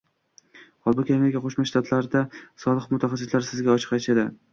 Holbuki, Amerika Qo'shma Shtatlarida soliq mutaxassislari sizga ochiq aytadi: